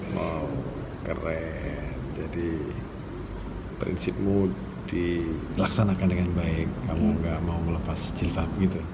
wow keren jadi prinsipmu dilaksanakan dengan baik kamu gak mau melepas jilfah gitu